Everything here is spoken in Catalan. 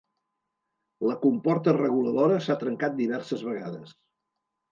La comporta reguladora s'ha trencat diverses vegades.